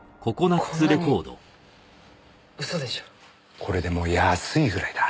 これでも安いぐらいだ。